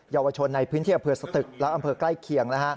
เยาวชนในพื้นที่อำเภอสตึกและอำเภอใกล้เคียง